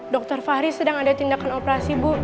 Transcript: dr fahri sedang ada tindakan operasi bu